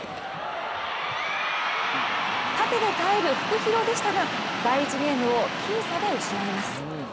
タテで耐えるフクヒロでしたが第１ゲームを僅差で失います。